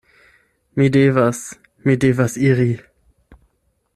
Mi devas, mi devas iri!